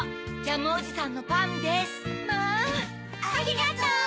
ありがとう。